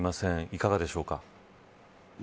いかがでしょうか。